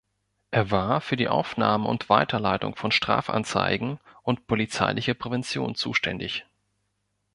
Er war für die Aufnahme und Weiterleitung von Strafanzeigen und polizeiliche Prävention zuständig.